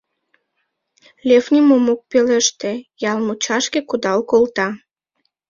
Лев нимом ок пелеште, ял мучашке кудал колта.